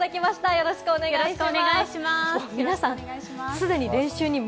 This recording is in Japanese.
よろしくお願いします。